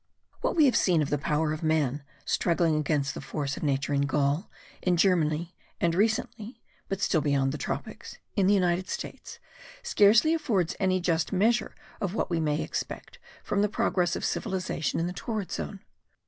What we have seen of the power of man struggling against the force of nature in Gaul, in Germany and recently (but still beyond the tropics) in the United States, scarcely affords any just measure of what we may expect from the progress of civilization in the torrid zone.